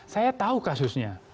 saya tahu kasusnya